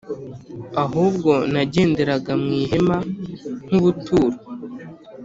ahubwo nagenderaga mu ihema nk’ubuturo.